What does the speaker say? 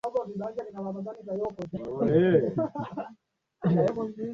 Hizi ni zile nchi za umoja wa nchi ishirini